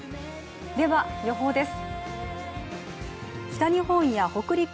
では予報です。